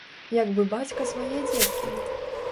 Як бы бацька свае дзеткі.